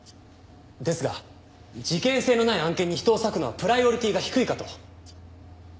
ですが事件性のない案件に人を割くのはプライオリティが低いかと。